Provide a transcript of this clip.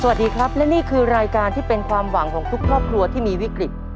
สวัสดีครับและนี่คือรายการที่เป็นความหวังของทุกครอบครัวที่มีวิกฤต